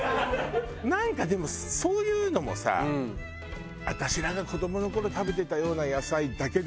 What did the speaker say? なんかでもそういうのもさ私らが子どもの頃食べてたような野菜だけではないじゃん。